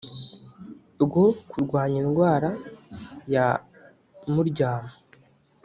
rwo kurwanya indwara ya muryamo